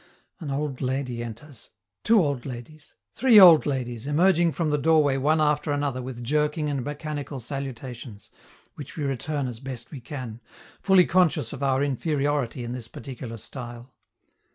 An old lady enters two old ladies three old ladies, emerging from the doorway one after another with jerking and mechanical salutations, which we return as best we can, fully conscious of our inferiority in this particular style.